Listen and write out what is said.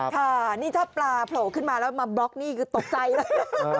ค่ะนี่ถ้าปลาโผล่ขึ้นมาแล้วมาบล็อกนี่คือตกใจเลย